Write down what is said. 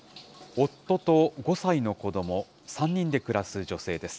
夫と５歳の子ども、３人で暮らす女性です。